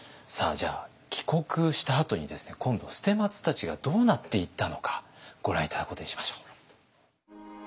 じゃあ帰国したあとに今度捨松たちがどうなっていったのかご覧頂くことにしましょう。